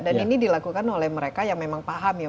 dan ini dilakukan oleh mereka yang memang paham ya